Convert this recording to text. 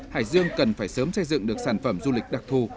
hải dương cần phải sớm xây dựng được sản phẩm du lịch đặc thù